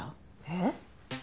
えっ？